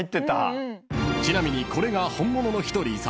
［ちなみにこれが本物の］